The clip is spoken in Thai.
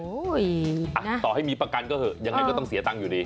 ต่อให้มีประกันก็เหอะยังไงก็ต้องเสียตังค์อยู่ดี